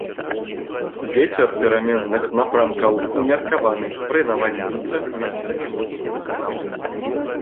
Вецер пераменных напрамкаў, умеркаваны, пры навальніцах месцамі моцны парывісты.